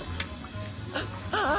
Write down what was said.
ああ。